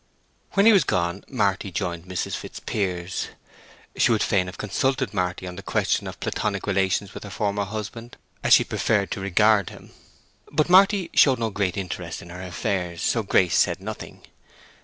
When he was gone, Marty joined Mrs. Fitzpiers. She would fain have consulted Marty on the question of Platonic relations with her former husband, as she preferred to regard him. But Marty showed no great interest in their affairs, so Grace said nothing.